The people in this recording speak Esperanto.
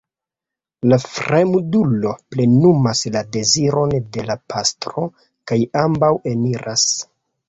La fremdulo plenumas la deziron de la pastro kaj ambaŭ eniras.